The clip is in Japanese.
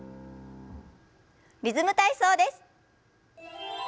「リズム体操」です。